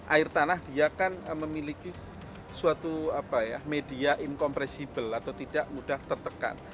air tanah dia kan memiliki suatu media incompressible atau tidak mudah tertekan